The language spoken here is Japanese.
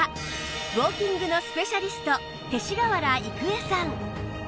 ウォーキングのスペシャリスト勅使川原郁恵さん